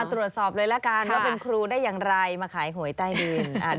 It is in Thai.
ตรวจสอบเลยละกันว่าเป็นครูได้อย่างไรมาขายหวยใต้ดิน